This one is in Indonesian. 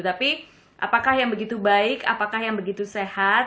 tapi apakah yang begitu baik apakah yang begitu sehat